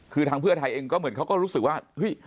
คือทางเพื่อไทยเองก็เหมือนเขาก็รู้สึกว่าเฮ้ย